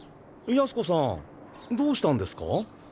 ヤスコさんどうしたんですか？